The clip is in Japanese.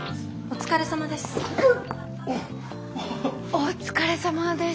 お疲れさまです。